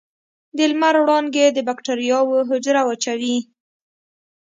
د لمر وړانګې د بکټریاوو حجره وچوي.